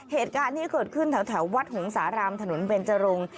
เหตุการณ์ที่เกิดขึ้นแถววัดหงสารามถนนเบนจรง